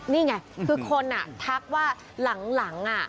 นี่ไงคือคนอ่ะทักว่าหลังอ่ะ